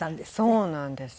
そうなんですよ。